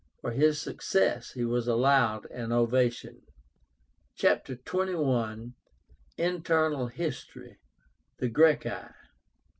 For his success he was allowed an ovation. CHAPTER XXI. INTERNAL HISTORY. THE GRACCHI.